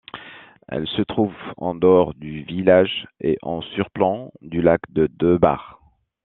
Elle se trouve en dehors du village et en surplomb du lac de Debar.